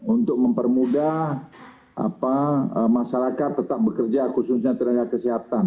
untuk mempermudah masyarakat tetap bekerja khususnya tenaga kesehatan